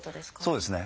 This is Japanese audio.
そうですね。